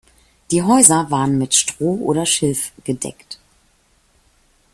Die Häuser waren mit Stroh oder Schilf gedeckt.